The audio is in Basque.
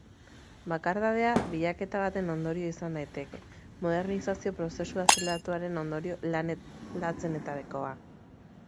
Bakardadea bilaketa baten ondorio izan daiteke, modernizazio prozesu azeleratuaren ondorio latzenetakoa.